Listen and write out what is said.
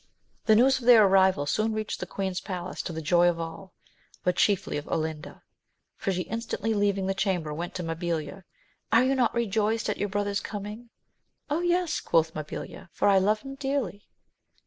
The news of their arrival soon reached the queen's palace, to the joy of all, but chiefly of Olinda. She instantly leaving the chamber, went to Mabilia : Are you not rejoiced at your brother's coming 1 Oh, yes ! quoth Mabilia, for I love him dearly.